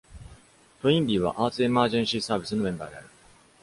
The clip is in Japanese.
トインビーは、アーツ・エマージェンシー・サービスのメンバーである。